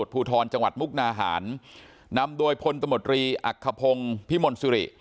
ภูทรจังหวัดมุกนาหารนำโดยพลตมตรีอักขพงศ์พิมลสิริ